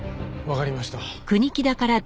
わかりました。